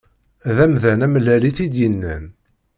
D amdan amellal i t-id-yennan.